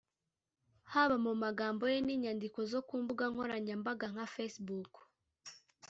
Haba mu magambo ye n’inyandiko zo ku mbuga nkoranyambaga nka Facebook